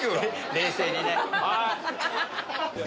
冷静にね。